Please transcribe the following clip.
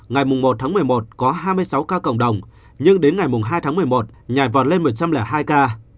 ngày một tháng một mươi một có hai mươi sáu ca cộng đồng nhưng đến ngày hai tháng một mươi một nhảy vọt lên một trăm linh hai ca